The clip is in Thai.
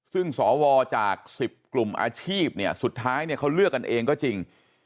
ซึ่งสวจาก๑๐กลุ่มอาชีพเนี่ยสุดท้ายเนี่ยเขาเลือกกันเองก็จริง